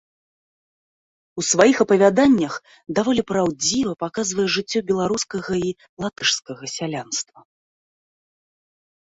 У сваіх апавяданнях даволі праўдзіва паказвае жыццё беларускага і латышскага сялянства.